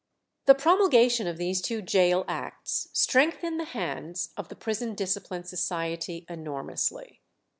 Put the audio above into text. The promulgation of these two Gaol Acts strengthened the hands of the Prison Discipline Society enormously.